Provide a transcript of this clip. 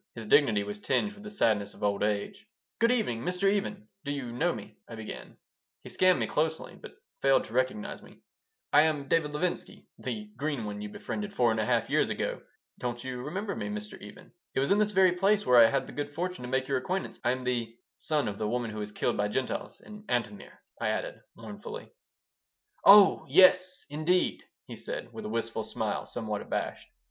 His dignity was tinged with the sadness of old age "Good evening, Mr. Even. Do you know me?" I began He scanned me closely, but failed to recognize me "I am David Levinsky, the 'green one' you befriended four and a half years ago. Don't you remember me, Mr. Even? It was in this very place where I had the good fortune to make your acquaintance. I'm the son of the woman who was killed by Gentiles, in Antomir," I added, mournfully "Oh yes, indeed!" he said, with a wistful smile, somewhat abashed.